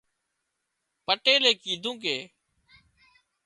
پٽيلئي ڪيڌون ڪي